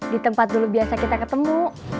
di tempat dulu biasa kita ketemu